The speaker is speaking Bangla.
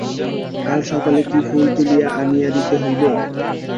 কাল সকালে কি ফুল তুলিয়া আনিয়া দিতে হইবে?